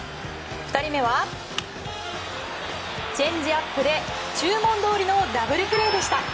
２人目は、チェンジアップで注文どおりのダブルプレーでした。